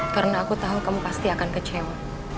karena aku tahu kamu pasti akan kecewa